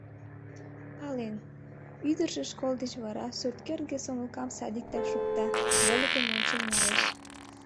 Пален: ӱдыржӧ школ деч вара сурткӧргӧ сомылкам садиктак шукта, вольыкым ончен налеш.